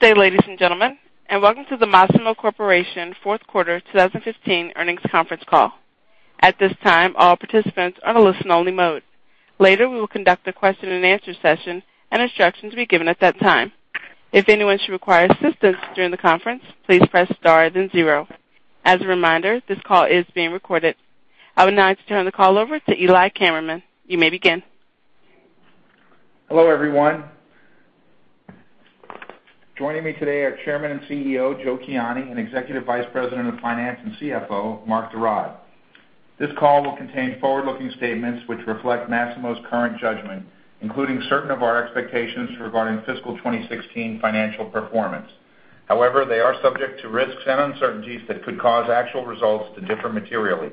Good day, ladies and gentlemen, and welcome to the Masimo Corporation fourth quarter 2015 earnings conference call. At this time, all participants are in listen only mode. Later, we will conduct a question and answer session, and instructions will be given at that time. If anyone should require assistance during the conference, please press star, then zero. As a reminder, this call is being recorded. I would now like to turn the call over to Eli Kammerman. You may begin. Hello, everyone. Joining me today are Chairman and CEO, Joe Kiani, and Executive Vice President of Finance and CFO, Mark de Raad. This call will contain forward-looking statements which reflect Masimo's current judgment, including certain of our expectations regarding fiscal 2016 financial performance. However, they are subject to risks and uncertainties that could cause actual results to differ materially.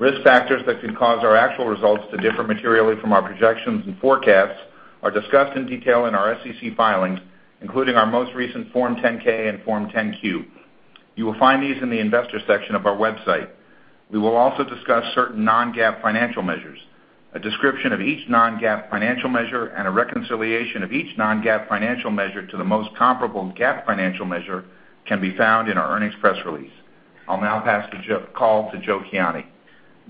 Risk factors that could cause our actual results to differ materially from our projections and forecasts are discussed in detail in our SEC filings, including our most recent Form 10-K and Form 10-Q. You will find these in the investor section of our website. We will also discuss certain non-GAAP financial measures. A description of each non-GAAP financial measure and a reconciliation of each non-GAAP financial measure to the most comparable GAAP financial measure can be found in our earnings press release. I'll now pass the call to Joe Kiani.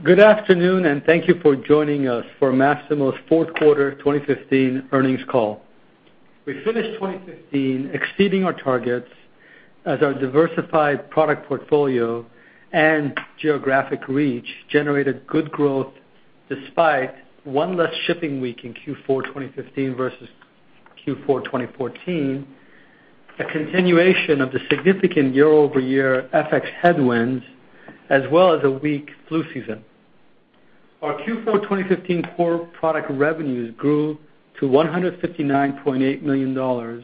Good afternoon, and thank you for joining us for Masimo's fourth quarter 2015 earnings call. We finished 2015 exceeding our targets as our diversified product portfolio and geographic reach generated good growth despite one less shipping week in Q4 2015 versus Q4 2014, a continuation of the significant year-over-year FX headwinds, as well as a weak flu season. Our Q4 2015 core product revenues grew to $159.8 million,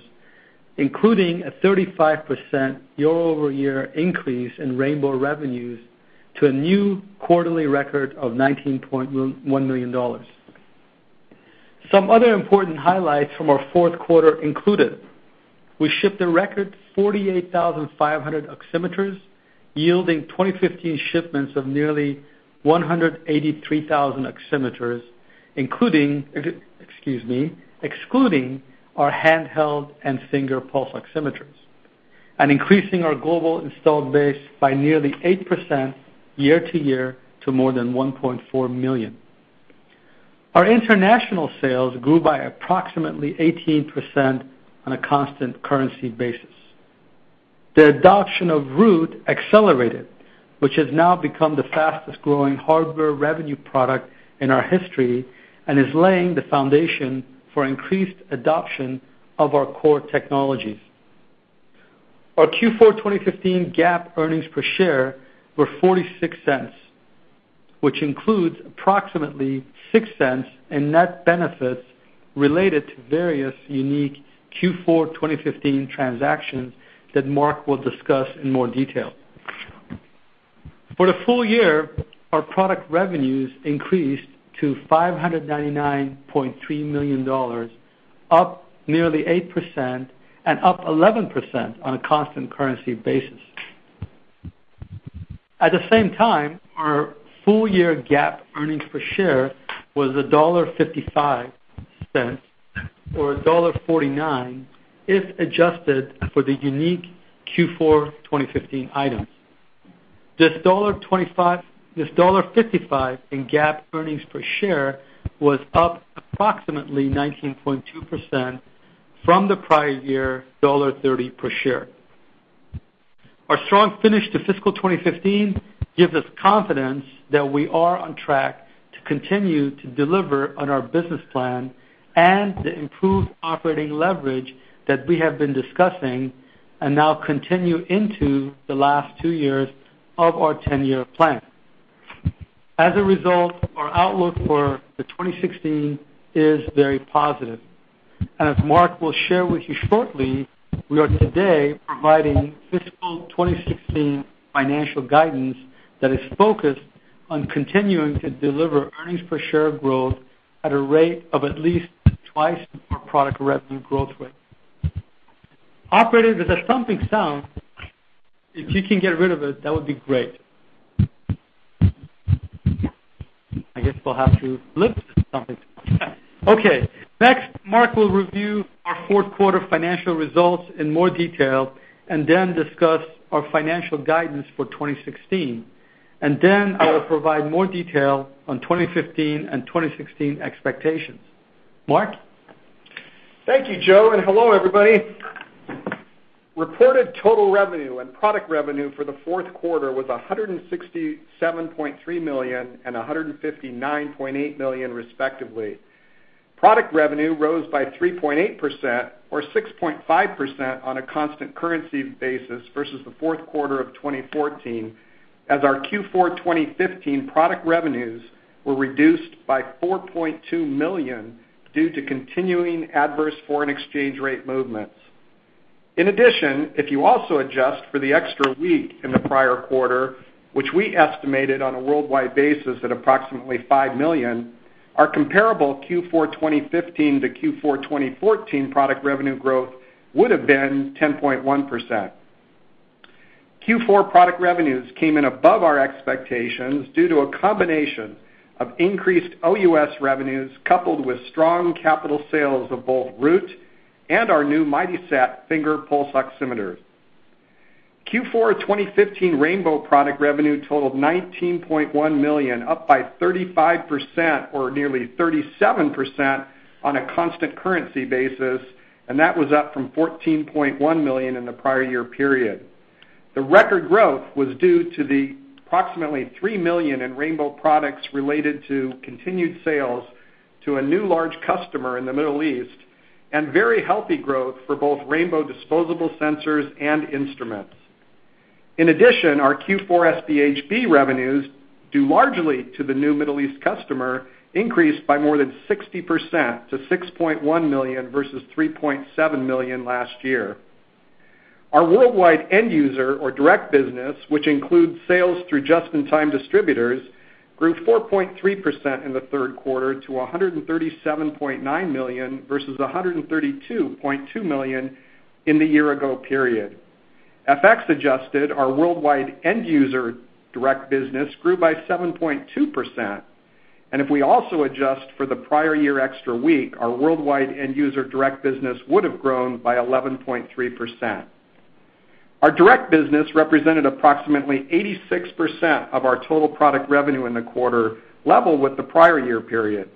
including a 35% year-over-year increase in Rainbow revenues to a new quarterly record of $19.1 million. Some other important highlights from our fourth quarter included we shipped a record 48,500 oximeters, yielding 2015 shipments of nearly 183,000 oximeters, including Excuse me. Excluding our handheld and finger pulse oximeters, and increasing our global installed base by nearly 8% year-to-year to more than 1.4 million. Our international sales grew by approximately 18% on a constant currency basis. The adoption of Root accelerated, which has now become the fastest-growing hardware revenue product in our history and is laying the foundation for increased adoption of our core technologies. Our Q4 2015 GAAP earnings per share were $0.46, which includes approximately $0.06 in net benefits related to various unique Q4 2015 transactions that Mark will discuss in more detail. For the full year, our product revenues increased to $599.3 million, up nearly 8% and up 11% on a constant currency basis. At the same time, our full year GAAP earnings per share was $1.55, or $1.49 if adjusted for the unique Q4 2015 items. This $1.55 in GAAP earnings per share was up approximately 19.2% from the prior year $1.30 per share. Our strong finish to fiscal 2015 gives us confidence that we are on track to continue to deliver on our business plan and the improved operating leverage that we have been discussing and now continue into the last two years of our 10-year plan. As a result, our outlook for 2016 is very positive. As Mark will share with you shortly, we are today providing fiscal 2016 financial guidance that is focused on continuing to deliver earnings per share growth at a rate of at least twice our product revenue growth rate. Operator, there is a thumping sound. If you can get rid of it, that would be great. I guess we will have to live with the thumping sound. Next, Mark will review our fourth quarter financial results in more detail and then discuss our financial guidance for 2016. Then I will provide more detail on 2015 and 2016 expectations. Mark? Thank you, Joe, and hello, everybody. Reported total revenue and product revenue for the fourth quarter was $167.3 million and $159.8 million, respectively. Product revenue rose by 3.8%, or 6.5% on a constant currency basis versus the fourth quarter of 2014, as our Q4 2015 product revenues were reduced by $4.2 million due to continuing adverse foreign exchange rate movements. If you also adjust for the extra week in the prior quarter, which we estimated on a worldwide basis at approximately $5 million, our comparable Q4 2015 to Q4 2014 product revenue growth would have been 10.1%. Q4 product revenues came in above our expectations due to a combination of increased OUS revenues, coupled with strong capital sales of both Root and our new Masimo SET finger pulse oximeters. Q4 2015 rainbow product revenue totaled $19.1 million, up by 35%, or nearly 37% on a constant currency basis, that was up from $14.1 million in the prior year period. The record growth was due to the approximately $3 million in rainbow products related to continued sales to a new large customer in the Middle East, and very healthy growth for both rainbow disposable sensors and instruments. Our Q4 SpHb revenues, due largely to the new Middle East customer, increased by more than 60% to $6.1 million versus $3.7 million last year. Our worldwide end user or direct business, which includes sales through just-in-time distributors, grew 4.3% in the third quarter to $137.9 million versus $132.2 million in the year-ago period. FX adjusted, our worldwide end user direct business grew by 7.2%, and if we also adjust for the prior year extra week, our worldwide end user direct business would have grown by 11.3%. Our direct business represented approximately 86% of our total product revenue in the quarter, level with the prior year period.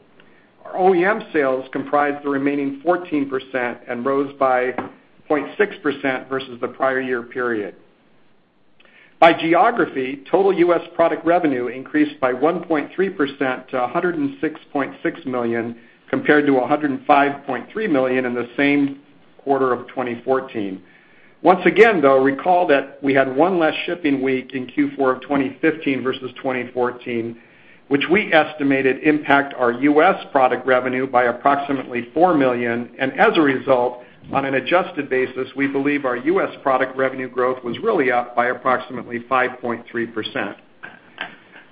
Our OEM sales comprised the remaining 14% and rose by 0.6% versus the prior year period. By geography, total U.S. product revenue increased by 1.3% to $106.6 million, compared to $105.3 million in the same quarter of 2014. Once again, though, recall that we had one less shipping week in Q4 of 2015 versus 2014, which we estimated impact our U.S. product revenue by approximately $4 million, and as a result, on an adjusted basis, we believe our U.S. product revenue growth was really up by approximately 5.3%.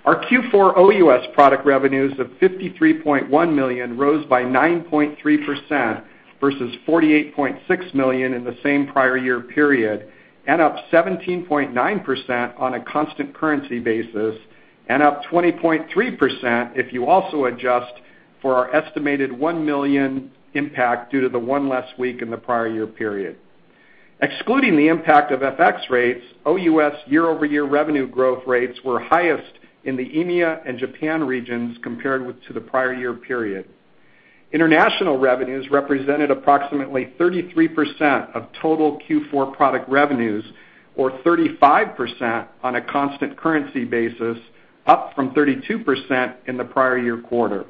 Our Q4 OUS product revenues of $53.1 million rose by 9.3% versus $48.6 million in the same prior year period, and up 17.9% on a constant currency basis, and up 20.3% if you also adjust for our estimated $1 million impact due to the one less week in the prior year period. Excluding the impact of FX rates, OUS year-over-year revenue growth rates were highest in the EMEA and Japan regions compared to the prior year period. International revenues represented approximately 33% of total Q4 product revenues, or 35% on a constant currency basis, up from 32% in the prior year quarter.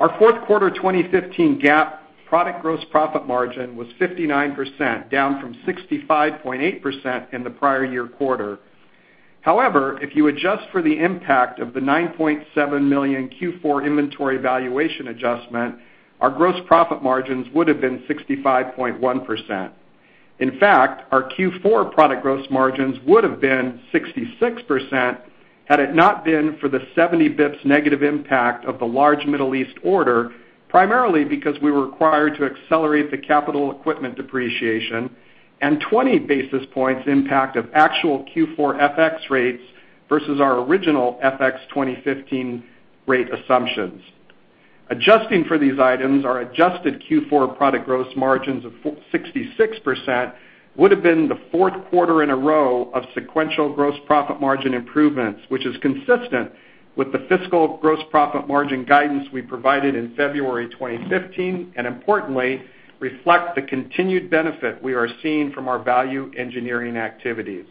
Our fourth quarter 2015 GAAP product gross profit margin was 59%, down from 65.8% in the prior year quarter. However, if you adjust for the impact of the $9.7 million Q4 inventory valuation adjustment, our gross profit margins would have been 65.1%. In fact, our Q4 product gross margins would have been 66% had it not been for the 70 basis points negative impact of the large Middle East order, primarily because we were required to accelerate the capital equipment depreciation and 20 basis points impact of actual Q4 FX rates versus our original FX 2015 rate assumptions. Adjusting for these items, our adjusted Q4 product gross margins of 66% would have been the fourth quarter in a row of sequential gross profit margin improvements, which is consistent with the fiscal gross profit margin guidance we provided in February 2015, and importantly, reflect the continued benefit we are seeing from our value engineering activities.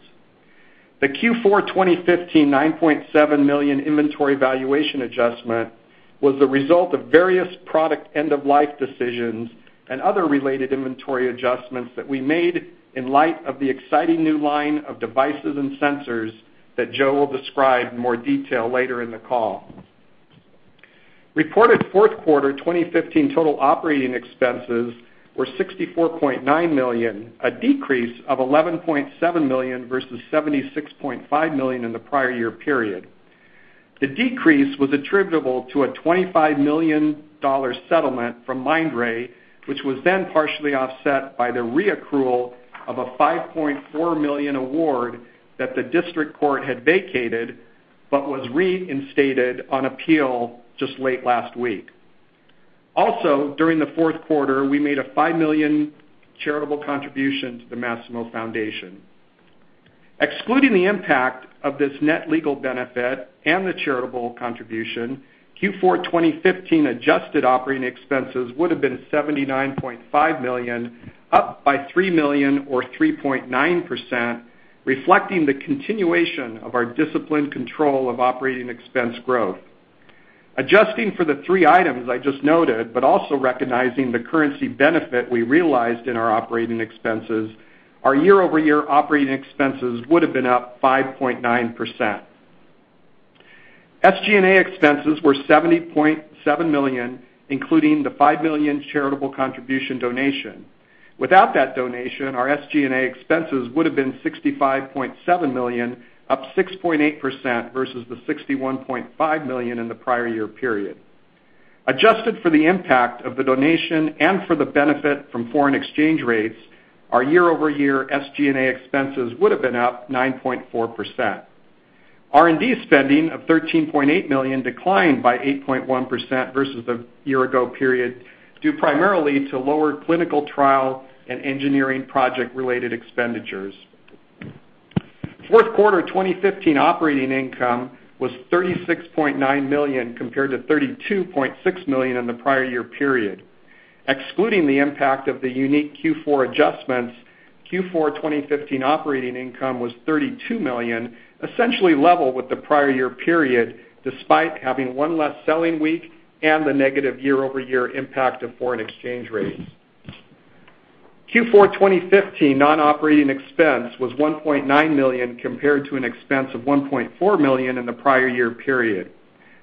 The Q4 2015 $9.7 million inventory valuation adjustment was the result of various product end-of-life decisions and other related inventory adjustments that we made in light of the exciting new line of devices and sensors that Joe will describe in more detail later in the call. Reported fourth quarter 2015 total operating expenses were $64.9 million, a decrease of $11.7 million versus $76.5 million in the prior year period. The decrease was attributable to a $25 million settlement from Mindray, which was then partially offset by the re-accrual of a $5.4 million award that the district court had vacated but was reinstated on appeal just late last week. Also, during the fourth quarter, we made a $5 million charitable contribution to the Masimo Foundation. Excluding the impact of this net legal benefit and the charitable contribution, Q4 2015 adjusted operating expenses would have been $79.5 million, up by $3 million or 3.9%, reflecting the continuation of our disciplined control of operating expense growth. Adjusting for the three items I just noted, but also recognizing the currency benefit we realized in our operating expenses, our year-over-year operating expenses would have been up 5.9%. SG&A expenses were $70.7 million, including the $5 million charitable contribution donation. Without that donation, our SG&A expenses would have been $65.7 million, up 6.8% versus the $61.5 million in the prior year period. Adjusted for the impact of the donation and for the benefit from foreign exchange rates, our year-over-year SG&A expenses would have been up 9.4%. R&D spending of $13.8 million declined by 8.1% versus the year ago period, due primarily to lower clinical trial and engineering project related expenditures. Fourth quarter 2015 operating income was $36.9 million compared to $32.6 million in the prior year period. Excluding the impact of the unique Q4 adjustments, Q4 2015 operating income was $32 million, essentially level with the prior year period, despite having one less selling week and the negative year-over-year impact of foreign exchange rates. Q4 2015 non-operating expense was $1.9 million compared to an expense of $1.4 million in the prior year period.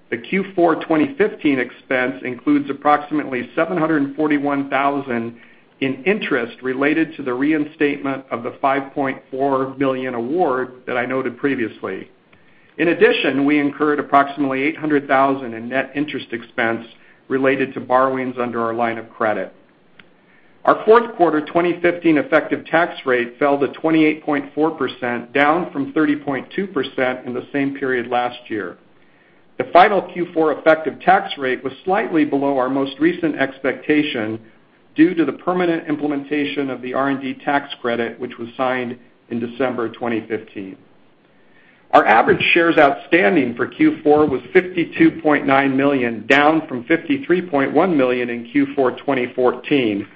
The Q4 2015 expense includes approximately $741,000 in interest related to the reinstatement of the $5.4 million award that I noted previously. In addition, we incurred approximately $800,000 in net interest expense related to borrowings under our line of credit. Our fourth quarter 2015 effective tax rate fell to 28.4%, down from 30.2% in the same period last year. The final Q4 effective tax rate was slightly below our most recent expectation due to the permanent implementation of the R&D tax credit, which was signed in December 2015. Our average shares outstanding for Q4 was 52.9 million, down from 53.1 million in Q4 2014.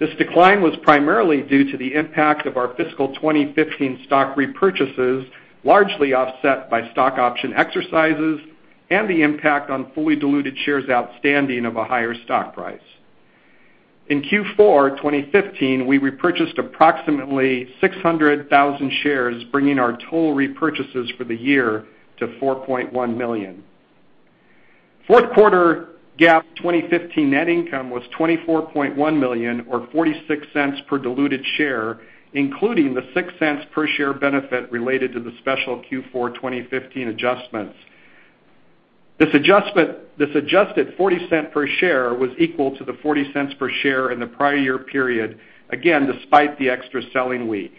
This decline was primarily due to the impact of our fiscal 2015 stock repurchases, largely offset by stock option exercises and the impact on fully diluted shares outstanding of a higher stock price. In Q4 2015, we repurchased approximately 600,000 shares, bringing our total repurchases for the year to 4.1 million. Fourth quarter GAAP 2015 net income was $24.1 million or $0.46 per diluted share, including the $0.06 per share benefit related to the special Q4 2015 adjustments. This adjusted $0.40 per share was equal to the $0.40 per share in the prior year period, again, despite the extra selling week.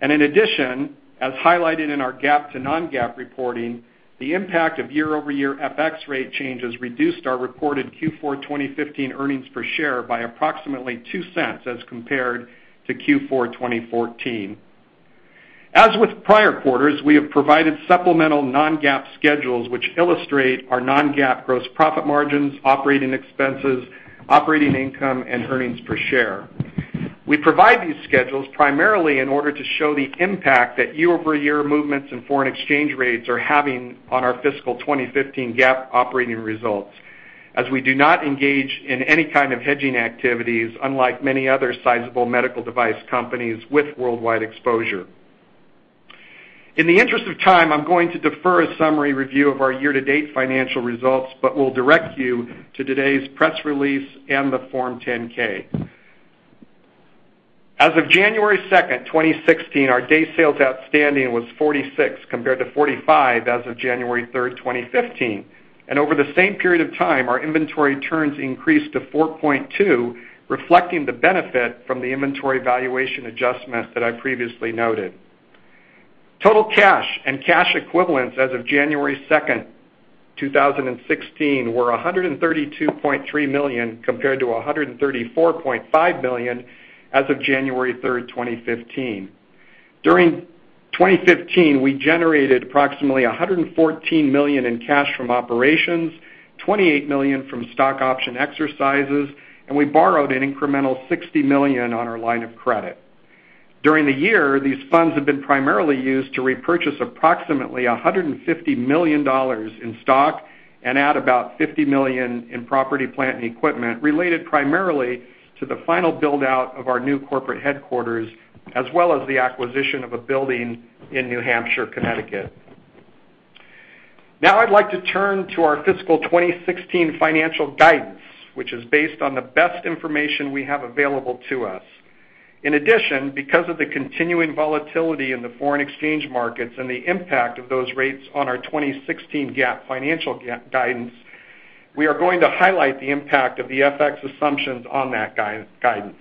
In addition, as highlighted in our GAAP to non-GAAP reporting, the impact of year-over-year FX rate changes reduced our reported Q4 2015 earnings per share by approximately $0.02 as compared to Q4 2014. As with prior quarters, we have provided supplemental non-GAAP schedules which illustrate our non-GAAP gross profit margins, operating expenses, operating income and earnings per share. We provide these schedules primarily in order to show the impact that year-over-year movements in foreign exchange rates are having on our fiscal 2015 GAAP operating results, as we do not engage in any kind of hedging activities, unlike many other sizable medical device companies with worldwide exposure. In the interest of time, I'm going to defer a summary review of our year-to-date financial results, but will direct you to today's press release and the Form 10-K. As of January 2nd, 2016, our day sales outstanding was 46 compared to 45 as of January 3rd, 2015. Over the same period of time, our inventory turns increased to 4.2, reflecting the benefit from the inventory valuation adjustments that I previously noted. Total cash and cash equivalents as of January 2nd, 2016 were $132.3 million compared to $134.5 million as of January 3rd, 2015. During 2015, we generated approximately $114 million in cash from operations, $28 million from stock option exercises, and we borrowed an incremental $60 million on our line of credit. During the year, these funds have been primarily used to repurchase approximately $150 million in stock and add about $50 million in property, plant, and equipment related primarily to the final build out of our new corporate headquarters, as well as the acquisition of a building in New Hampshire, Connecticut. I'd like to turn to our fiscal 2016 financial guidance, which is based on the best information we have available to us. In addition, because of the continuing volatility in the foreign exchange markets and the impact of those rates on our 2016 GAAP financial guidance, we are going to highlight the impact of the FX assumptions on that guidance.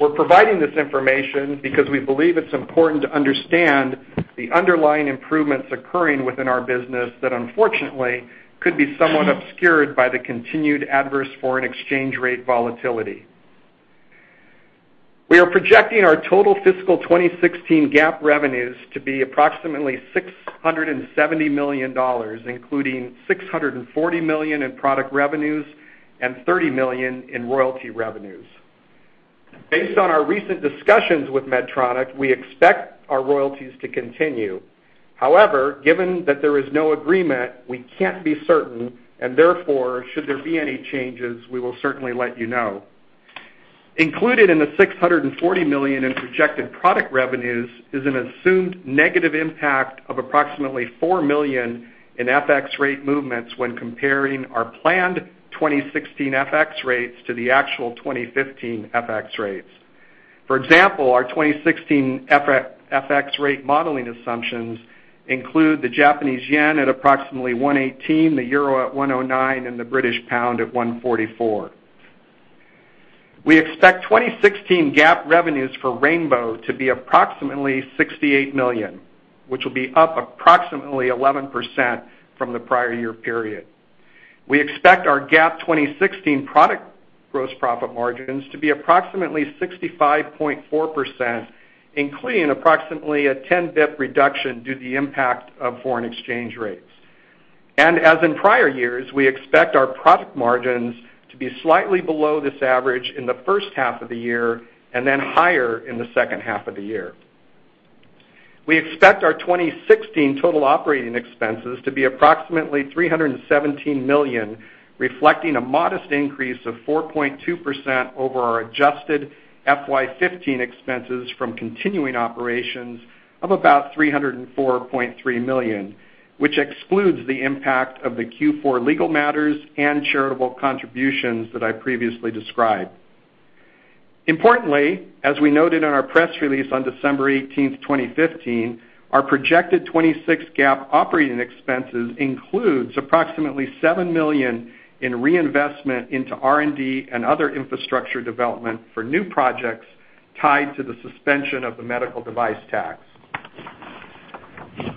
We're providing this information because we believe it's important to understand the underlying improvements occurring within our business that unfortunately could be somewhat obscured by the continued adverse foreign exchange rate volatility. We are projecting our total fiscal 2016 GAAP revenues to be approximately $670 million, including $640 million in product revenues and $30 million in royalty revenues. Based on our recent discussions with Medtronic, we expect our royalties to continue. Given that there is no agreement, we can't be certain, and therefore, should there be any changes, we will certainly let you know. Included in the $640 million in projected product revenues is an assumed negative impact of approximately $4 million in FX rate movements when comparing our planned 2016 FX rates to the actual 2015 FX rates. For example, our 2016 FX rate modeling assumptions include the Japanese yen at approximately 118, the euro at 109, and the British pound at 144. We expect 2016 GAAP revenues for rainbow to be approximately $68 million, which will be up approximately 11% from the prior year period. We expect our GAAP 2016 product gross profit margins to be approximately 65.4%, including approximately a 10 basis point reduction due to the impact of foreign exchange rates. As in prior years, we expect our product margins to be slightly below this average in the first half of the year and then higher in the second half of the year. We expect our 2016 total operating expenses to be approximately $317 million, reflecting a modest increase of 4.2% over our adjusted FY 2015 expenses from continuing operations of about $304.3 million, which excludes the impact of the Q4 legal matters and charitable contributions that I previously described. As we noted in our press release on December 18th, 2015, our projected 2016 GAAP operating expenses includes approximately $7 million in reinvestment into R&D and other infrastructure development for new projects tied to the suspension of the medical device tax.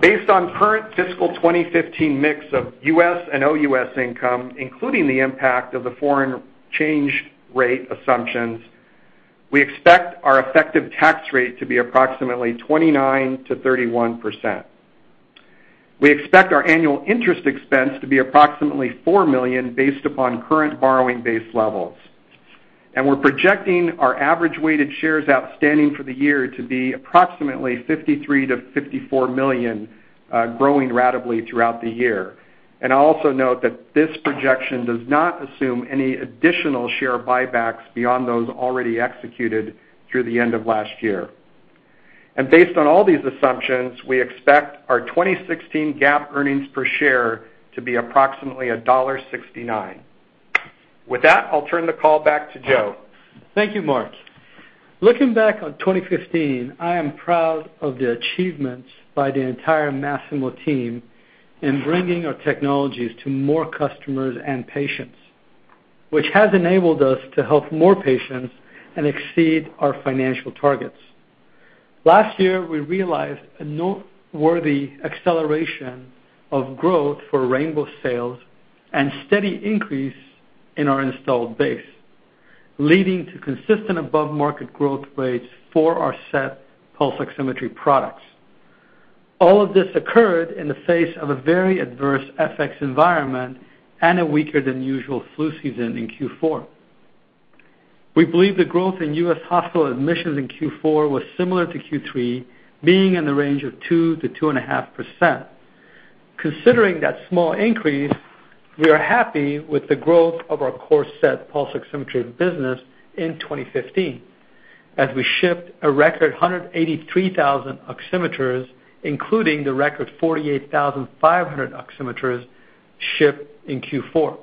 Based on current fiscal 2015 mix of U.S. and OUS income, including the impact of the foreign change rate assumptions, we expect our effective tax rate to be approximately 29%-31%. We expect our annual interest expense to be approximately $4 million based upon current borrowing base levels. We're projecting our average weighted shares outstanding for the year to be approximately 53 million-54 million, growing ratably throughout the year. I also note that this projection does not assume any additional share buybacks beyond those already executed through the end of last year. Based on all these assumptions, we expect our 2016 GAAP earnings per share to be approximately $1.69. With that, I'll turn the call back to Joe. Thank you, Mark. Looking back on 2015, I am proud of the achievements by the entire Masimo team in bringing our technologies to more customers and patients, which has enabled us to help more patients and exceed our financial targets. Last year, we realized a noteworthy acceleration of growth for rainbow sales and steady increase in our installed base, leading to consistent above-market growth rates for our SET pulse oximetry products. All of this occurred in the face of a very adverse FX environment and a weaker than usual flu season in Q4. We believe the growth in U.S. hospital admissions in Q4 was similar to Q3, being in the range of 2%-2.5%. Considering that small increase, we are happy with the growth of our core SET pulse oximetry business in 2015, as we shipped a record 183,000 oximeters, including the record 48,500 oximeters shipped in Q4.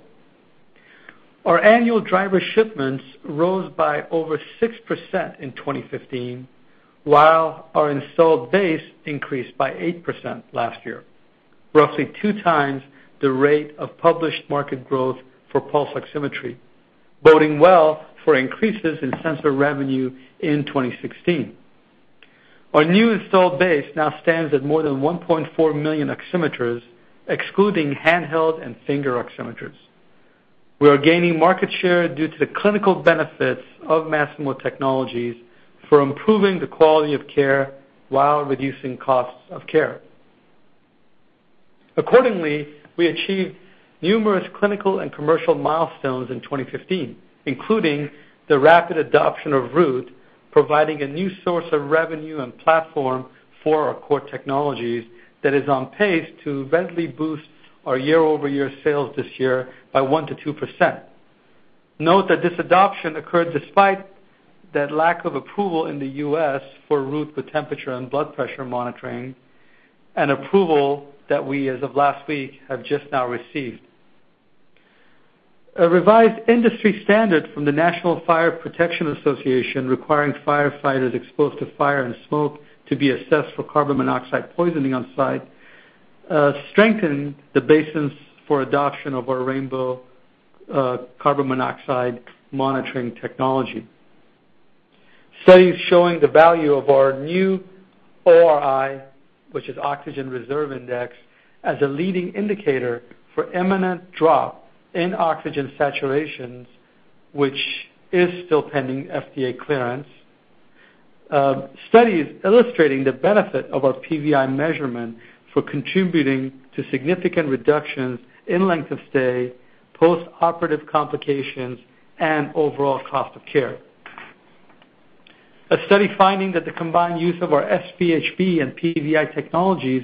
Our annual driver shipments rose by over 6% in 2015, while our installed base increased by 8% last year, roughly two times the rate of published market growth for pulse oximetry, boding well for increases in sensor revenue in 2016. Our new installed base now stands at more than 1.4 million oximeters, excluding handheld and finger oximeters. We are gaining market share due to the clinical benefits of Masimo technologies for improving the quality of care while reducing costs of care. Accordingly, we achieved numerous clinical and commercial milestones in 2015, including the rapid adoption of Root, providing a new source of revenue and platform for our core technologies that is on pace to eventually boost our year-over-year sales this year by 1%-2%. Note that this adoption occurred despite that lack of approval in the U.S. for Root with temperature and blood pressure monitoring, an approval that we, as of last week, have just now received. A revised industry standard from the National Fire Protection Association requiring firefighters exposed to fire and smoke to be assessed for carbon monoxide poisoning on site strengthened the basis for adoption of our rainbow carbon monoxide monitoring technology. Studies showing the value of our new ORi, which is Oxygen Reserve Index, as a leading indicator for imminent drop in oxygen saturations, which is still pending FDA clearance. Studies illustrating the benefit of our PVi measurement for contributing to significant reductions in length of stay, postoperative complications, and overall cost of care. A study finding that the combined use of our SpHb and PVi technologies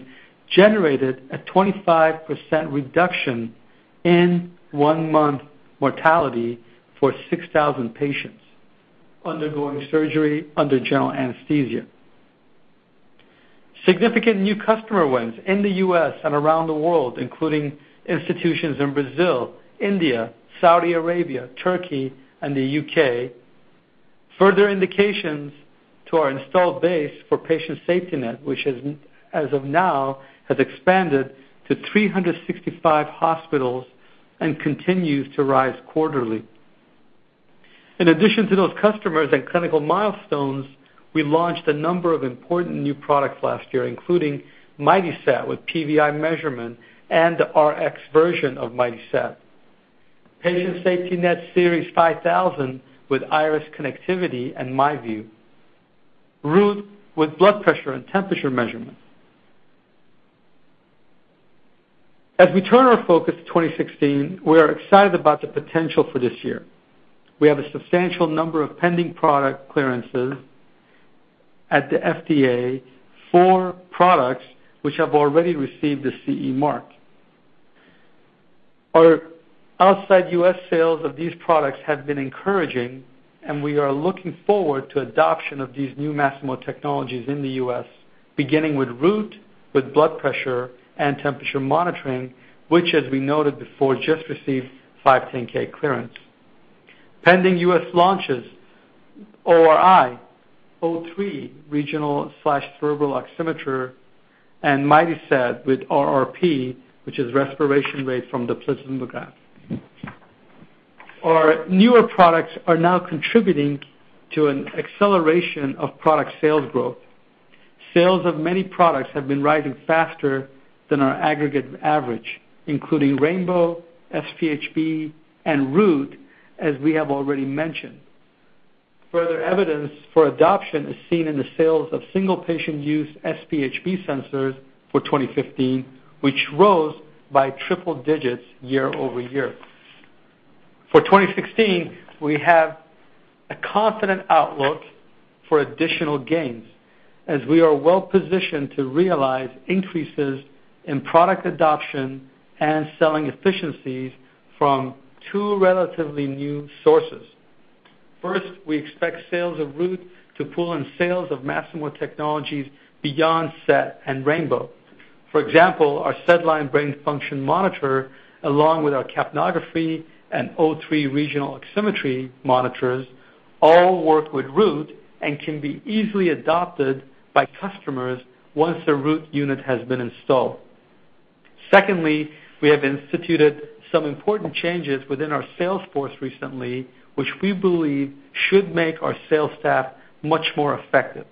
generated a 25% reduction in one-month mortality for 6,000 patients undergoing surgery under general anesthesia. Significant new customer wins in the U.S. and around the world, including institutions in Brazil, India, Saudi Arabia, Turkey, and the U.K. Further indications to our installed base for Patient SafetyNet, which as of now, has expanded to 365 hospitals and continues to rise quarterly. In addition to those customers and clinical milestones, we launched a number of important new products last year, including MightySat with PVi measurement and the Rx version of MightySat. Patient SafetyNet Series 5000 with Iris Connectivity and MyView. Root with blood pressure and temperature measurements. As we turn our focus to 2016, we are excited about the potential for this year. We have a substantial number of pending product clearances at the FDA for products which have already received the CE mark. Our outside U.S. sales of these products have been encouraging, and we are looking forward to adoption of these new Masimo technologies in the U.S., beginning with Root, with blood pressure and temperature monitoring, which as we noted before, just received 510(k) clearance. Pending U.S. launches, ORi, O3 regional/cerebral oximeter, and MightySat with RRp, which is respiration rate from the plethysmograph. Our newer products are now contributing to an acceleration of product sales growth. Sales of many products have been rising faster than our aggregate average, including rainbow, SpHb, and Root, as we have already mentioned. Further evidence for adoption is seen in the sales of single-patient use SpHb sensors for 2015, which rose by triple digits year-over-year. For 2016, we have a confident outlook for additional gains, as we are well-positioned to realize increases in product adoption and selling efficiencies from two relatively new sources. First, we expect sales of Root to pull in sales of Masimo technologies beyond SET and rainbow. For example, our SedLine brain function monitor, along with our capnography and O3 regional oximetry monitors all work with Root and can be easily adopted by customers once their Root unit has been installed. Secondly, we have instituted some important changes within our sales force recently, which we believe should make our sales staff much more effective.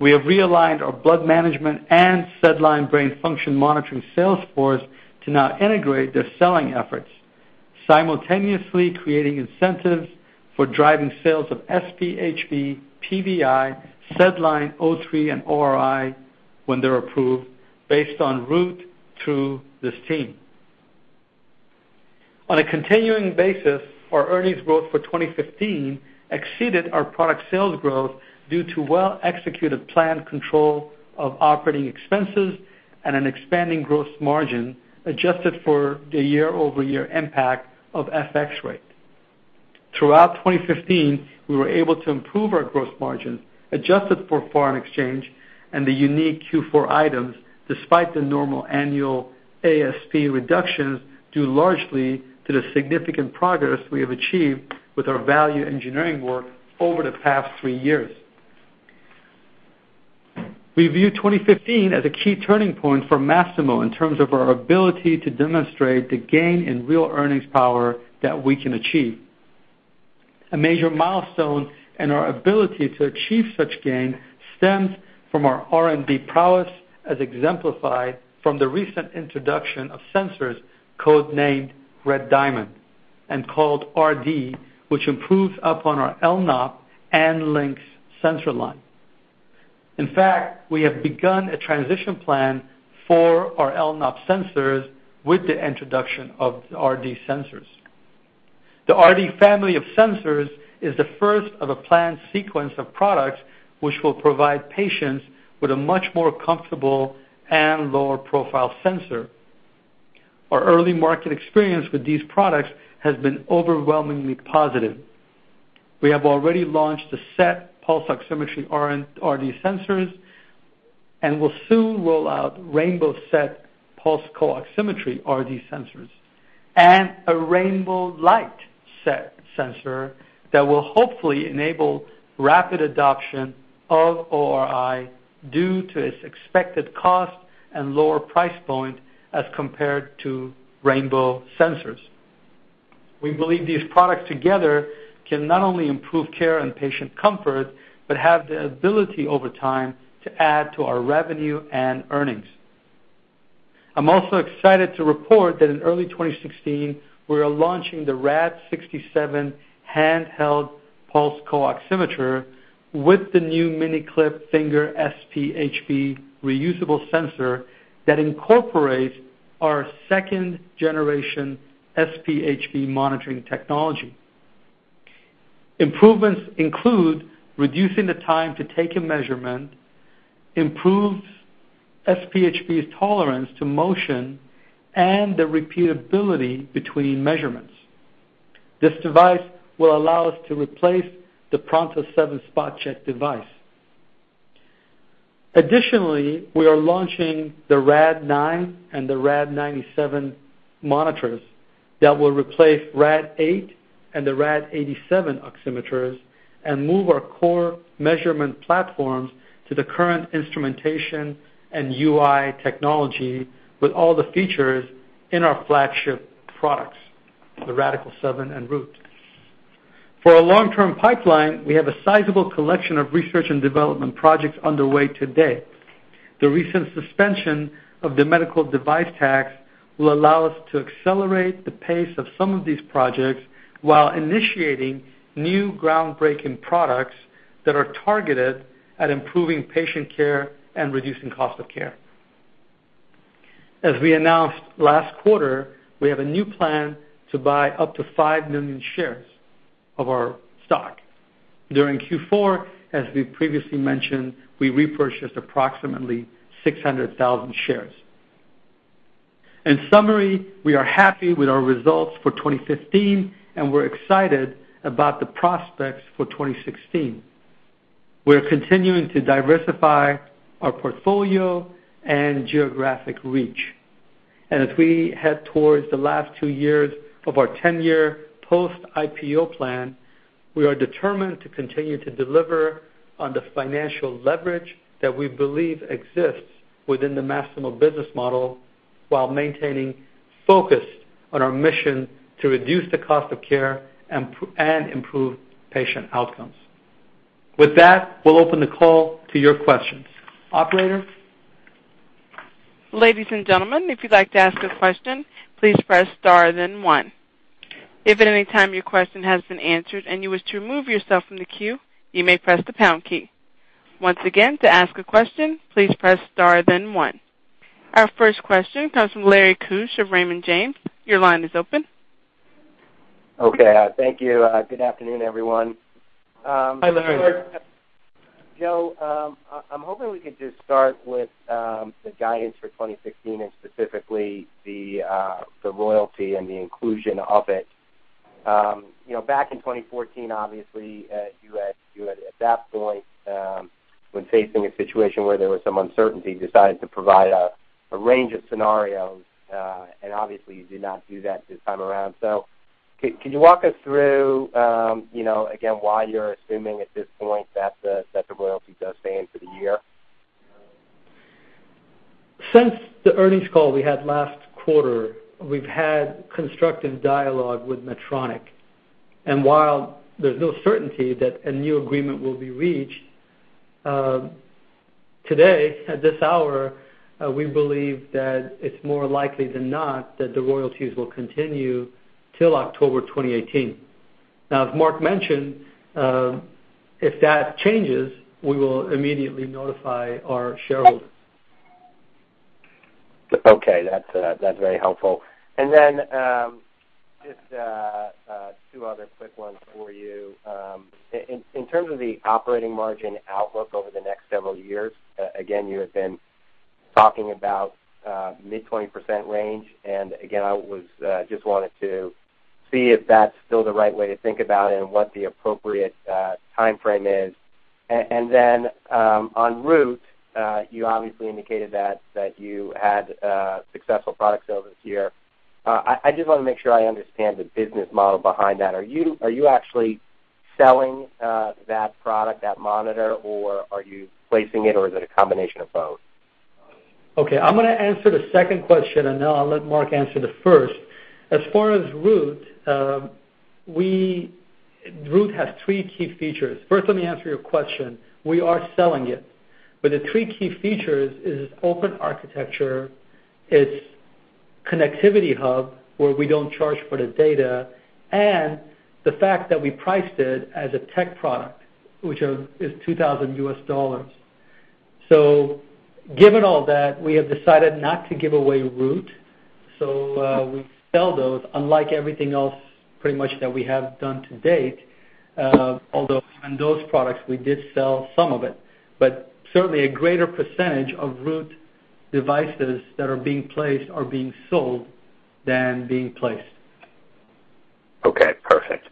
We have realigned our blood management and SedLine brain function monitoring sales force to now integrate their selling efforts, simultaneously creating incentives for driving sales of SpHb, PVi, SedLine, O3, and ORi when they're approved based on Root through this team. On a continuing basis, our earnings growth for 2015 exceeded our product sales growth due to well-executed plan control of operating expenses and an expanding gross margin adjusted for the year-over-year impact of FX rate. Throughout 2015, we were able to improve our gross margin, adjusted for foreign exchange and the unique Q4 items, despite the normal annual ASP reductions, due largely to the significant progress we have achieved with our value engineering work over the past three years. We view 2015 as a key turning point for Masimo in terms of our ability to demonstrate the gain in real earnings power that we can achieve. A major milestone in our ability to achieve such gain stems from our R&D prowess, as exemplified from the recent introduction of sensors codenamed Red Diamond and called RD, which improves upon our LNOP and Lynx sensor line. In fact, we have begun a transition plan for our LNOP sensors with the introduction of the RD sensors. The RD family of sensors is the first of a planned sequence of products which will provide patients with a much more comfortable and lower-profile sensor. Our early market experience with these products has been overwhelmingly positive. We have already launched the SET pulse oximetry RD sensors and will soon roll out rainbow SET pulse co-oximetry RD sensors and a RD rainbow Lite SET sensor that will hopefully enable rapid adoption of ORi due to its expected cost and lower price point as compared to rainbow sensors. We believe these products together can not only improve care and patient comfort but have the ability over time to add to our revenue and earnings. I'm also excited to report that in early 2016, we are launching the Rad-67 handheld pulse co-oximeter with the new mini-clip finger SpHb reusable sensor that incorporates our second-generation SpHb monitoring technology. Improvements include reducing the time to take a measurement, improves SpHb's tolerance to motion, and the repeatability between measurements. This device will allow us to replace the Pronto-7 Spot Check device. Additionally, we are launching the Rad-9 and the Rad-97 monitors that will replace Rad-8 and the Rad-87 oximeters and move our core measurement platforms to the current instrumentation and UI technology with all the features in our flagship products, the Radical-7 and Root. For our long-term pipeline, we have a sizable collection of research and development projects underway today. The recent suspension of the medical device tax will allow us to accelerate the pace of some of these projects while initiating new groundbreaking products that are targeted at improving patient care and reducing cost of care. As we announced last quarter, we have a new plan to buy up to five million shares of our stock. During Q4, as we previously mentioned, we repurchased approximately 600,000 shares. In summary, we are happy with our results for 2015, and we're excited about the prospects for 2016. We're continuing to diversify our portfolio and geographic reach. As we head towards the last two years of our 10-year post-IPO plan, we are determined to continue to deliver on the financial leverage that we believe exists within the Masimo business model, while maintaining focus on our mission to reduce the cost of care and improve patient outcomes. With that, we'll open the call to your questions. Operator? Ladies and gentlemen, if you'd like to ask a question, please press star then one. If at any time your question has been answered and you wish to remove yourself from the queue, you may press the pound key. Once again, to ask a question, please press star then one. Our first question comes from Larry Keusch of Raymond James. Your line is open. Okay. Thank you. Good afternoon, everyone. Hi, Larry. Joe, I'm hoping we could just start with the guidance for 2016 and specifically the royalty and the inclusion of it. Back in 2014, obviously, you had at that point, when facing a situation where there was some uncertainty, decided to provide a range of scenarios, and obviously, you did not do that this time around. Can you walk us through, again, why you're assuming at this point that the royalty does stay in for the year? Since the earnings call we had last quarter, we've had constructive dialogue with Medtronic. While there's no certainty that a new agreement will be reached, today, at this hour, we believe that it's more likely than not that the royalties will continue till October 2018. As Mark mentioned, if that changes, we will immediately notify our shareholders. Okay. That's very helpful. Just two other quick ones for you. In terms of the operating margin outlook over the next several years, again, you have been talking about mid-20% range, again, I just wanted to see if that's still the right way to think about it and what the appropriate timeframe is. On Root, you obviously indicated that you had successful product sales this year. I just want to make sure I understand the business model behind that. Are you actually selling that product, that monitor, or are you placing it, or is it a combination of both? Okay. I'm going to answer the second question, I'll let Mark answer the first. As far as Root has three key features. First, let me answer your question. We are selling it, but the three key features is open architecture, its connectivity hub, where we don't charge for the data, and the fact that we priced it as a tech product, which is $2,000. Given all that, we have decided not to give away Root. We sell those unlike everything else pretty much that we have done to date. Although on those products, we did sell some of it, but certainly a greater percentage of Root devices that are being placed are being sold than being placed. Okay, perfect.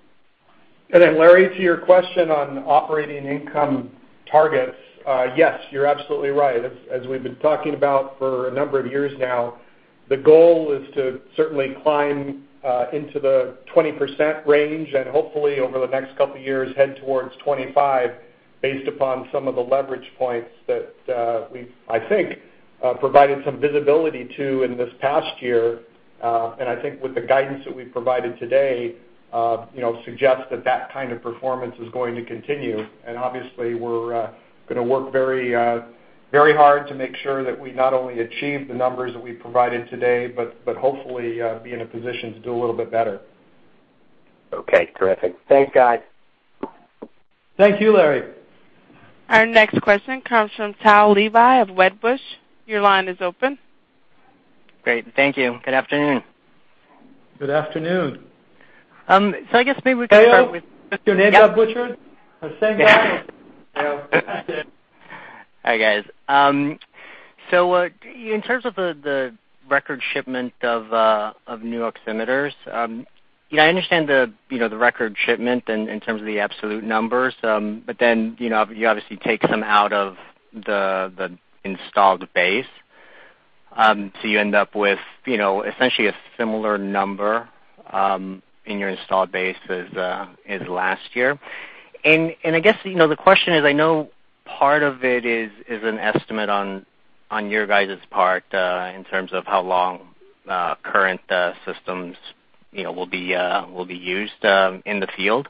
Larry, to your question on operating income targets, yes, you're absolutely right. As we've been talking about for a number of years now, the goal is to certainly climb into the 20% range and hopefully over the next couple of years, head towards 25, based upon some of the leverage points that we've, I think, provided some visibility to in this past year. I think with the guidance that we've provided today, suggests that that kind of performance is going to continue. Obviously, we're going to work very hard to make sure that we not only achieve the numbers that we provided today, but hopefully be in a position to do a little bit better. Okay, terrific. Thanks, guys. Thank you, Larry. Our next question comes from Tao Levy of Wedbush. Your line is open. Great. Thank you. Good afternoon. Good afternoon. I guess maybe we can start. Tao? Is your name got butchered? I was saying Kyle. Hi, guys. In terms of the record shipment of new oximeters, I understand the record shipment in terms of the absolute numbers. You obviously take some out of the installed base, so you end up with essentially a similar number in your installed base as last year. I guess, the question is, I know part of it is an estimate on your guys' part in terms of how long current systems will be used in the field.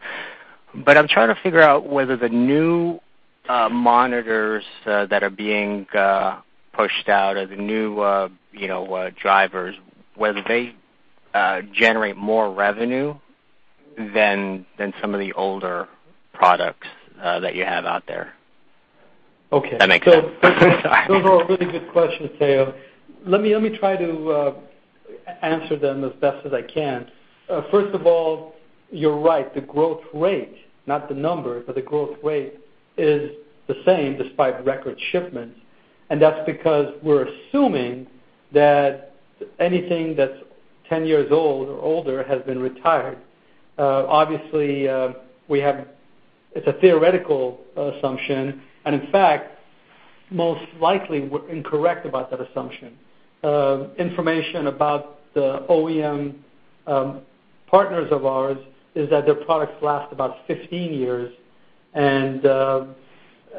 I'm trying to figure out whether the new monitors that are being pushed out or the new drivers, whether they generate more revenue than some of the older products that you have out there. Okay. If that makes sense. Those are all really good questions, Tao. First of all, you're right, the growth rate, not the number, but the growth rate is the same despite record shipments. That's because we're assuming that anything that's 10 years old or older has been retired. Obviously, it's a theoretical assumption. In fact, most likely, we're incorrect about that assumption. Information about the OEM partners of ours is that their products last about 15 years, and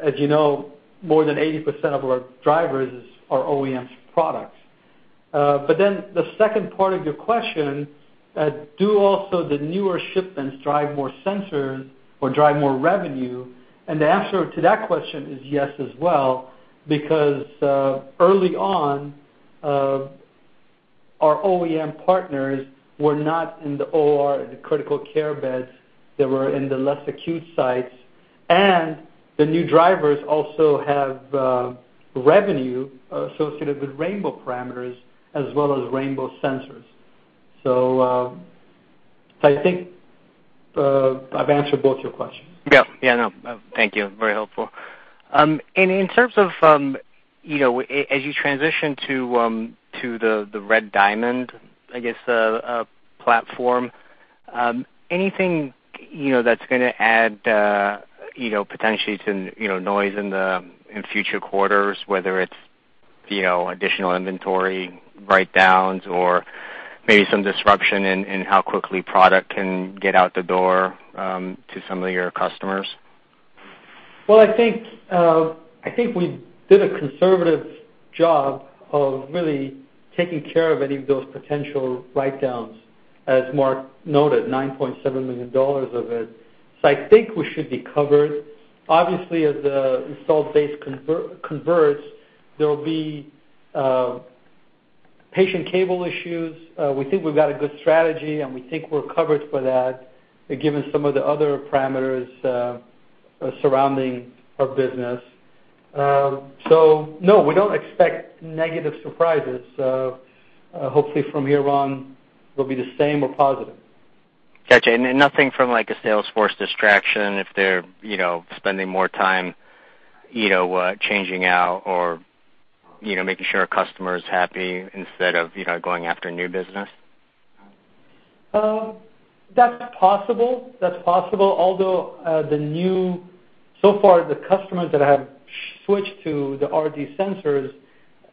as you know, more than 80% of our drivers are OEMs products. The second part of your question, do also the newer shipments drive more sensors or drive more revenue? The answer to that question is yes as well, because early on, our OEM partners were not in the OR, the critical care beds, they were in the less acute sites. The new drivers also have revenue associated with rainbow parameters as well as rainbow sensors. I think I've answered both your questions. Yeah, I know. Thank you, very helpful. In terms of as you transition to the Red Diamond, I guess, platform, anything that's going to add potentially to noise in future quarters, whether it's additional inventory write-downs or maybe some disruption in how quickly product can get out the door to some of your customers? Well, I think we did a conservative job of really taking care of any of those potential write-downs, as Mark noted, $9.7 million of it. I think we should be covered. Obviously, as the installed base converts, there'll be patient cable issues. We think we've got a good strategy, and we think we're covered for that, given some of the other parameters surrounding our business. No, we don't expect negative surprises. Hopefully, from here on, we'll be the same or positive. Got you. Nothing from, like, a sales force distraction if they're spending more time changing out or making sure a customer is happy instead of going after new business? That's possible. Although, so far, the customers that have switched to the RD sensors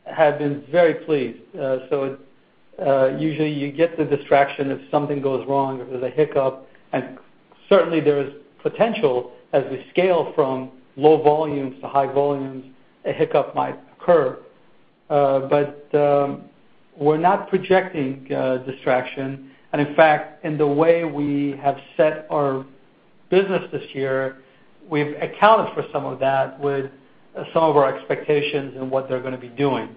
have been very pleased. Usually you get the distraction if something goes wrong or there's a hiccup. Certainly, there is potential as we scale from low volumes to high volumes, a hiccup might occur. We're not projecting distraction. In fact, in the way we have set our business this year, we've accounted for some of that with some of our expectations and what they're going to be doing.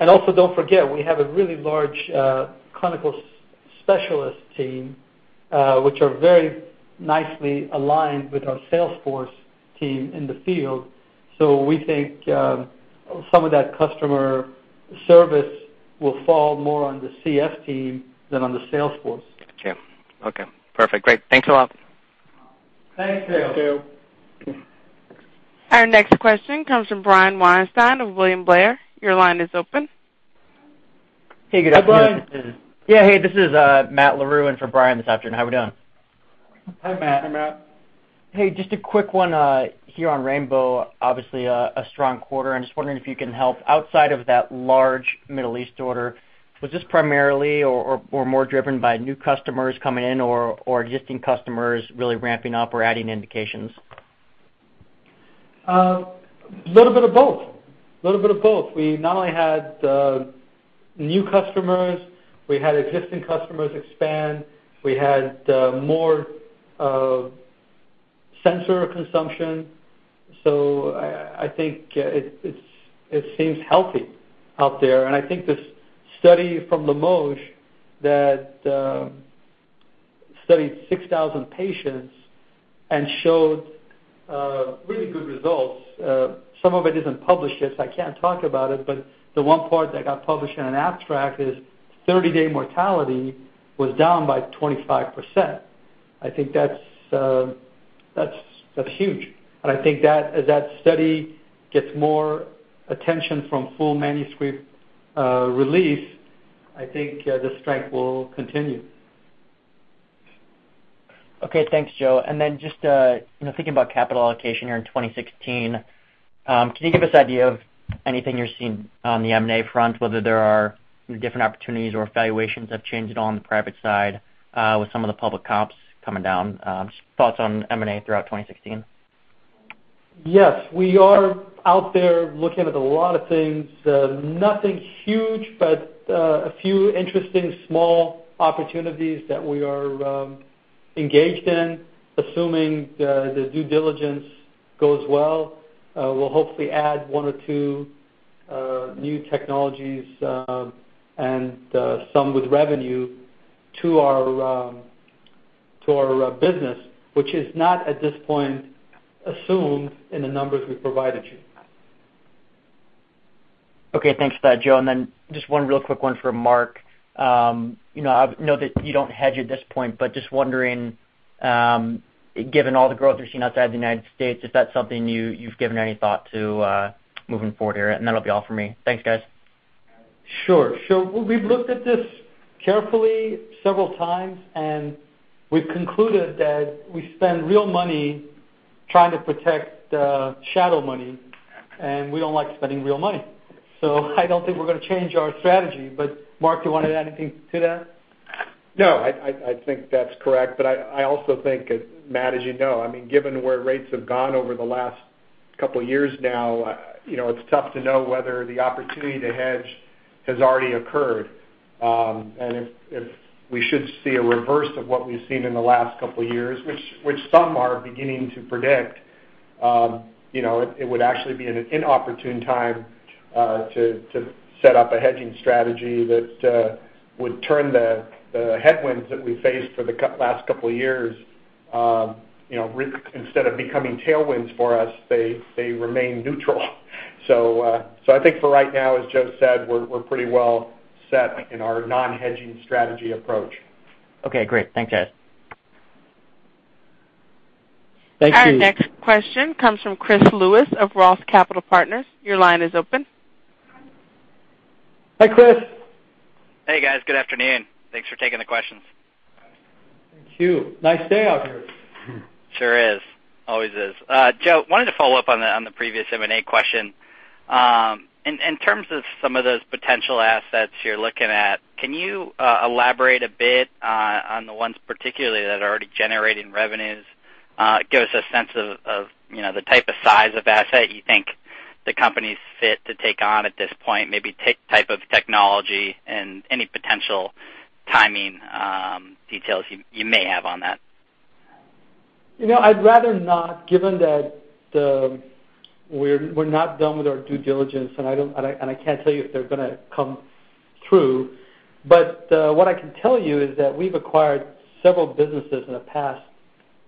Also, don't forget, we have a really large clinical specialist team, which are very nicely aligned with our sales force team in the field. We think some of that customer service will fall more on the CS team than on the sales force. Got you. Okay. Perfect. Great. Thanks a lot. Thanks, Tao. Thank you. Our next question comes from Brian Weinstein of William Blair. Your line is open. Hey, good afternoon. Hi, Brian. Yeah. Hey, this is Matt Larew in for Brian this afternoon. How are we doing? Hi, Matt. Hi, Matt. Hey, just a quick one here on rainbow. Obviously, a strong quarter. I'm just wondering if you can help. Outside of that large Middle East order, was this primarily or more driven by new customers coming in or existing customers really ramping up or adding indications? A little bit of both. We not only had new customers, we had existing customers expand, we had more sensor consumption. I think it seems healthy out there. I think this study from Limoges that studied 6,000 patients and showed really good results, some of it isn't published yet, so I can't talk about it, but the one part that got published in an abstract is 30-day mortality was down by 25%. I think that's huge. I think as that study gets more attention from full manuscript release, I think the strength will continue. Okay. Thanks, Joe. Just thinking about capital allocation here in 2016, can you give us an idea of anything you're seeing on the M&A front, whether there are different opportunities or valuations have changed on the private side with some of the public comps coming down? Just thoughts on M&A throughout 2016. Yes, we are out there looking at a lot of things. Nothing huge, but a few interesting small opportunities that we are engaged in. Assuming the due diligence goes well, we'll hopefully add one or two new technologies, and some with revenue to our business, which is not at this point assumed in the numbers we've provided you. Okay. Thanks for that, Joe. Then just one real quick one for Mark. I know that you don't hedge at this point, but just wondering, given all the growth you're seeing outside the United States, if that's something you've given any thought to moving forward here. That'll be all for me. Thanks, guys. We've looked at this carefully several times, we've concluded that we spend real money trying to protect shadow money, we don't like spending real money. I don't think we're going to change our strategy. Mark, do you want to add anything to that? No, I think that's correct. I also think, Matt, as you know, given where rates have gone over the last couple of years now, it's tough to know whether the opportunity to hedge has already occurred. If we should see a reverse of what we've seen in the last couple of years, which some are beginning to predict, it would actually be an inopportune time to set up a hedging strategy that would turn the headwinds that we faced for the last couple of years, instead of becoming tailwinds for us, they remain neutral. I think for right now, as Joe said, we're pretty well set in our non-hedging strategy approach. Okay, great. Thanks, guys. Thank you. Our next question comes from Chris Lewis of Roth Capital Partners. Your line is open. Hi, Chris. Hey, guys. Good afternoon. Thanks for taking the questions. Thank you. Nice day out here. Sure is. Always is. Joe, wanted to follow up on the previous M&A question. In terms of some of those potential assets you're looking at, can you elaborate a bit on the ones particularly that are already generating revenues, give us a sense of the type of size of asset you think the company's fit to take on at this point, maybe type of technology and any potential timing details you may have on that? I'd rather not, given that we're not done with our due diligence, and I can't tell you if they're going to come through. What I can tell you is that we've acquired several businesses in the past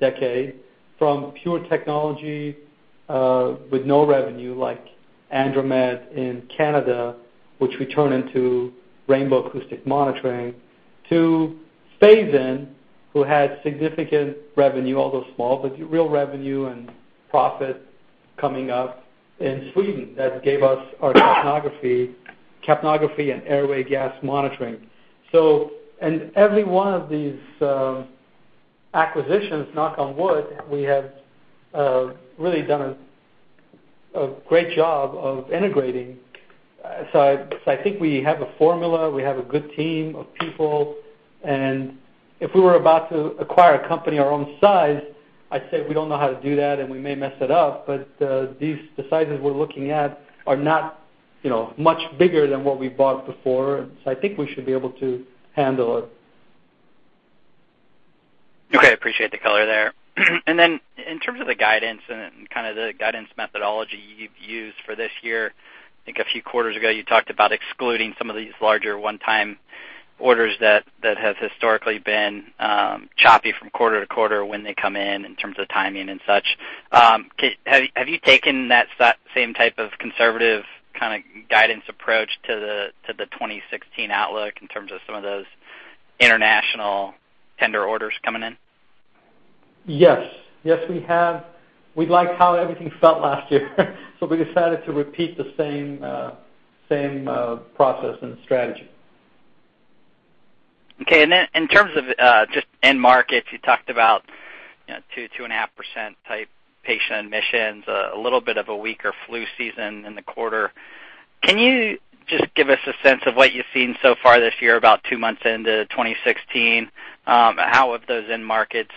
decade from pure technology with no revenue, like Andromed in Canada, which we turned into Rainbow Acoustic Monitoring, to Phasein, who had significant revenue, although small, but real revenue and profit coming up in Sweden, that gave us our capnography and airway gas monitoring. Every one of these acquisitions, knock on wood, we have really done a great job of integrating. I think we have a formula, we have a good team of people, and if we were about to acquire a company our own size, I'd say we don't know how to do that, and we may mess it up. The sizes we're looking at are not much bigger than what we bought before, I think we should be able to handle it. Okay. I appreciate the color there. In terms of the guidance and kind of the guidance methodology you've used for this year, I think a few quarters ago, you talked about excluding some of these larger one-time orders that has historically been choppy from quarter-to-quarter when they come in terms of timing and such. Have you taken that same type of conservative kind of guidance approach to the 2016 outlook in terms of some of those international tender orders coming in? Yes. Yes, we have. We liked how everything felt last year, we decided to repeat the same process and strategy. Okay. In terms of just end markets, you talked about 2%, 2.5% type patient admissions, a little bit of a weaker flu season in the quarter. Can you just give us a sense of what you've seen so far this year, about two months into 2016? How have those end markets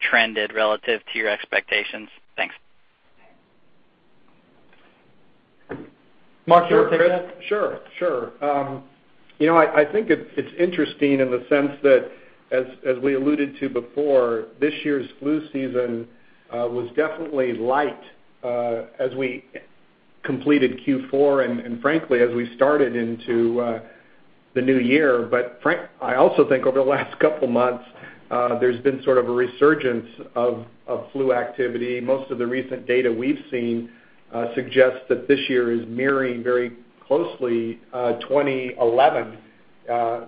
trended relative to your expectations? Thanks. Mark, do you want to take that? Sure, Chris. I think it's interesting in the sense that, as we alluded to before, this year's flu season was definitely light as we completed Q4, and frankly, as we started into the new year. I also think over the last couple of months, there's been sort of a resurgence of flu activity. Most of the recent data we've seen suggests that this year is mirroring very closely 2011,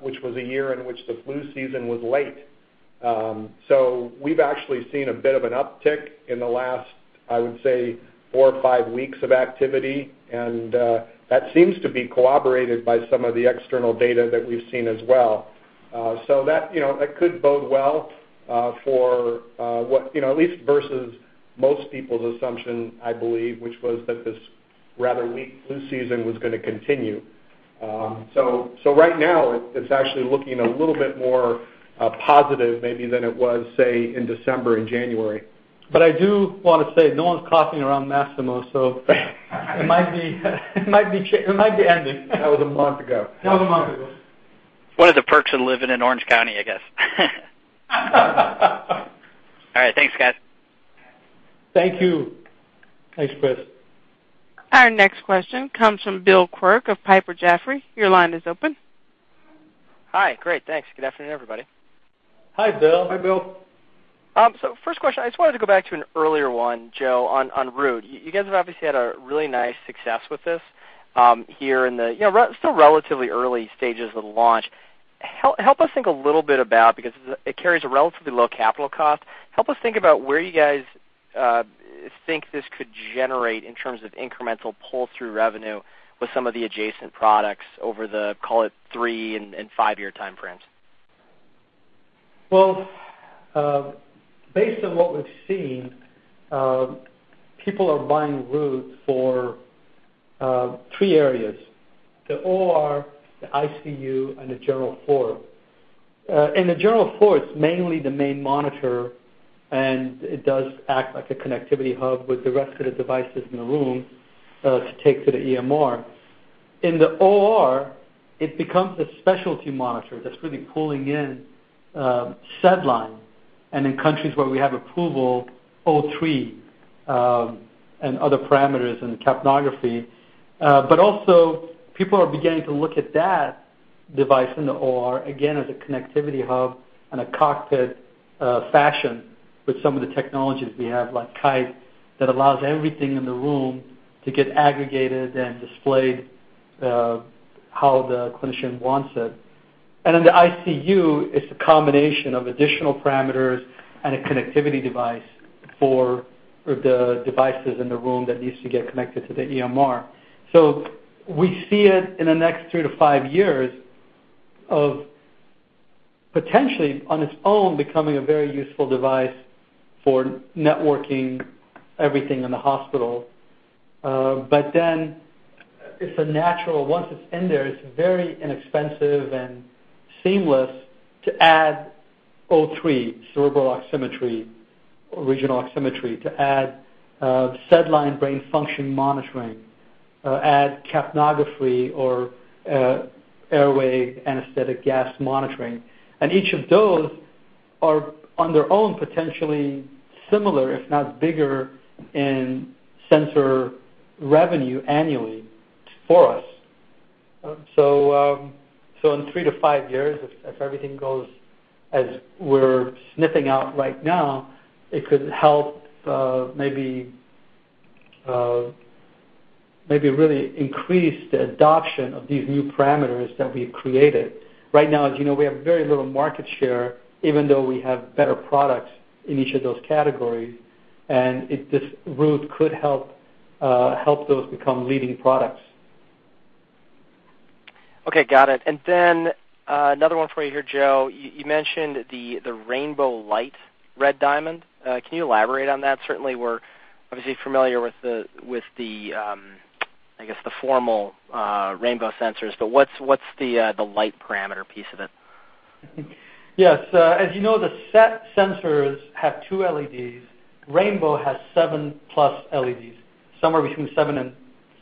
which was a year in which the flu season was late. We've actually seen a bit of an uptick in the last, I would say four or five weeks of activity, and that seems to be corroborated by some of the external data that we've seen as well. That could bode well for at least versus most people's assumption, I believe, which was that this rather weak flu season was going to continue. Right now it's actually looking a little bit more positive maybe than it was, say, in December and January. I do want to say, no one's coughing around Masimo, it might be ending. That was a month ago. That was a month ago. One of the perks of living in Orange County, I guess. All right. Thanks, guys. Thank you. Thanks, Chris. Our next question comes from Bill Quirk of Piper Jaffray. Your line is open. Hi. Great. Thanks. Good afternoon, everybody. Hi, Bill. Hi, Bill. First question, I just wanted to go back to an earlier one, Joe, on Root. You guys have obviously had a really nice success with this, here in the still relatively early stages of the launch. Help us think a little bit about Because it carries a relatively low capital cost. Help us think about where you guys think this could generate in terms of incremental pull-through revenue with some of the adjacent products over the, call it three and five-year time frames. Well, based on what we've seen, people are buying Root for three areas, the OR, the ICU, and the general floor. In the general floor, it's mainly the main monitor, and it does act like a connectivity hub with the rest of the devices in the room to take to the EMR. In the OR, it becomes a specialty monitor that's really pulling in SedLine, and in countries where we have approval, O3, and other parameters and capnography. Also people are beginning to look at that device in the OR again as a connectivity hub in a cockpit fashion with some of the technologies we have, like Kite, that allows everything in the room to get aggregated and displayed how the clinician wants it. In the ICU, it's a combination of additional parameters and a connectivity device for the devices in the room that needs to get connected to the EMR. We see it in the next three to five years of potentially on its own becoming a very useful device for networking everything in the hospital. It's a natural, once it's in there, it's very inexpensive and seamless to add O3, cerebral oximetry or regional oximetry to add SedLine brain function monitoring, add capnography or airway anesthetic gas monitoring. Each of those are on their own potentially similar, if not bigger in sensor revenue annually for us. In three to five years, if everything goes as we're sniffing out right now, it could help maybe really increase the adoption of these new parameters that we've created. Right now, as you know, we have very little market share, even though we have better products in each of those categories, and this Root could help those become leading products. Okay, got it. Another one for you here, Joe. You mentioned the Rainbow Light Red Diamond. Can you elaborate on that? Certainly, we're obviously familiar with the formal Rainbow sensors, but what's the Light parameter piece of it? Yes. As you know, the SET sensors have two LEDs. Rainbow has 7+ LEDs, somewhere between seven and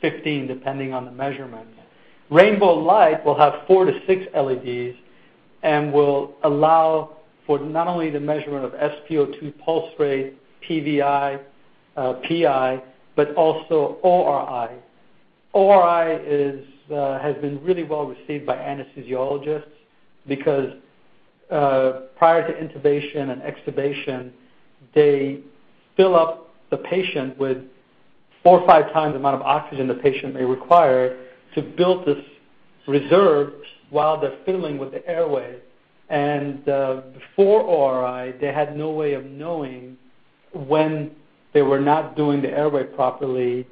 15, depending on the measurement. Rainbow Light will have four to six LEDs and will allow for not only the measurement of SpO2 pulse rate, PVi, PI, but also ORi. ORi has been really well received by anesthesiologists because prior to intubation and extubation, they fill up the patient with four or five times the amount of oxygen the patient may require to build these reserves while they're fiddling with the airway. Before ORi, they had no way of knowing when they were not doing the airway properly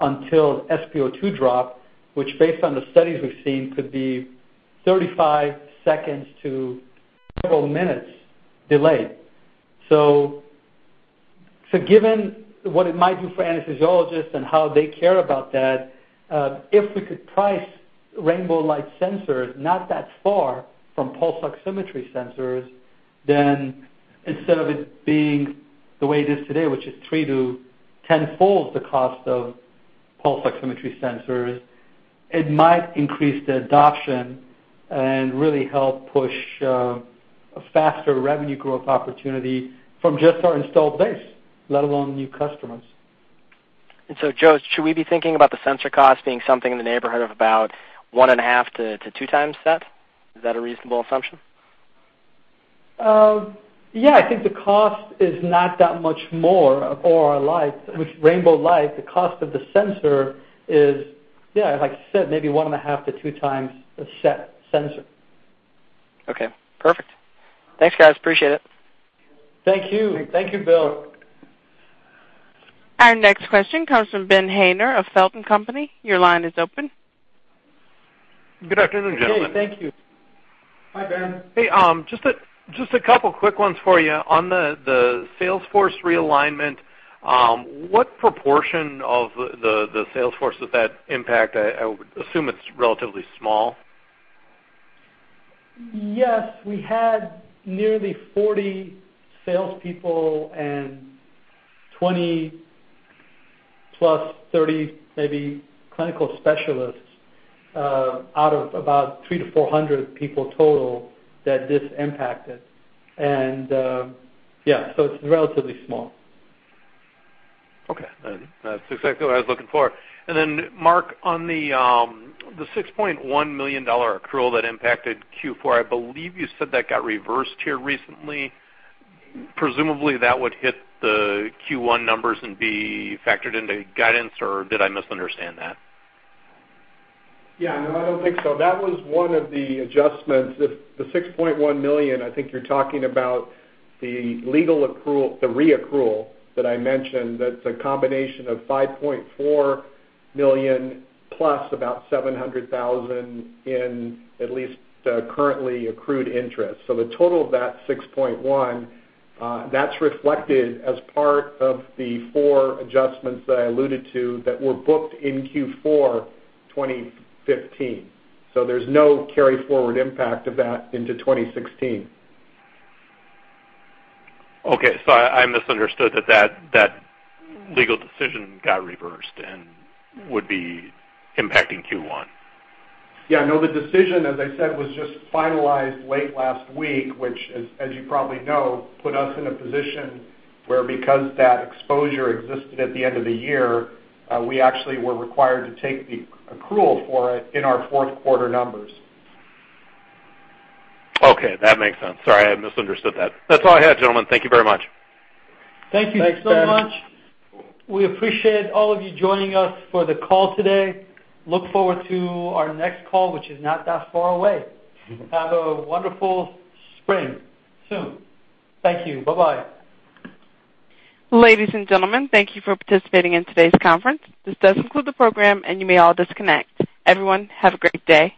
until SpO2 dropped, which based on the studies we've seen, could be 35 seconds to several minutes delayed. Given what it might do for anesthesiologists and how they care about that, if we could price Rainbow Light sensors not that far from pulse oximetry sensors, then instead of it being the way it is today, which is three to 10-fold the cost of pulse oximetry sensors, it might increase the adoption and really help push a faster revenue growth opportunity from just our installed base, let alone new customers. Joe, should we be thinking about the sensor cost being something in the neighborhood of about one and a half to two times that? Is that a reasonable assumption? I think the cost is not that much more for our Lite, which Rainbow Lite, the cost of the sensor is like I said, maybe one and a half to two times the SET sensor. Perfect. Thanks, guys. Appreciate it. Thank you. Thank you, Bill. Our next question comes from Ben Haynor of Feltl and Company. Your line is open. Good afternoon, gentlemen. Okay, thank you. Hi, Ben. Hey, just a couple of quick ones for you. On the sales force realignment, what proportion of the sales force does that impact? I would assume it's relatively small. Yes. We had nearly 40 salespeople and 20 plus 30, maybe, clinical specialists out of about 3 to 400 people total that this impacted. It's relatively small. Okay. That's exactly what I was looking for. Then Mark, on the $6.1 million accrual that impacted Q4, I believe you said that got reversed here recently. Presumably, that would hit the Q1 numbers and be factored into guidance, or did I misunderstand that? No, I don't think so. That was one of the adjustments. The $6.1 million, I think you're talking about the legal accrual, the re-accrual that I mentioned, that's a combination of $5.4 million plus about $700,000 in at least currently accrued interest. The total of that $6.1, that's reflected as part of the four adjustments that I alluded to that were booked in Q4 2015. There's no carry forward impact of that into 2016. Okay. I misunderstood that legal decision got reversed and would be impacting Q1. Yeah. No, the decision, as I said, was just finalized late last week, which as you probably know, put us in a position where because that exposure existed at the end of the year, we actually were required to take the accrual for it in our fourth quarter numbers. Okay. That makes sense. Sorry, I misunderstood that. That's all I had, gentlemen. Thank you very much. Thank you so much. Thanks, Ben. We appreciate all of you joining us for the call today. Look forward to our next call, which is not that far away. Have a wonderful spring, soon. Thank you. Bye-bye. Ladies and gentlemen, thank you for participating in today's conference. This does conclude the program, and you may all disconnect. Everyone, have a great day.